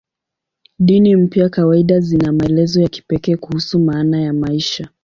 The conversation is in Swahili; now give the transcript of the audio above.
Dini mpya kawaida zina maelezo ya kipekee kuhusu maana ya maisha.